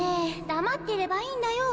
黙ってればいいんだよ